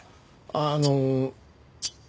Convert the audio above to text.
あの。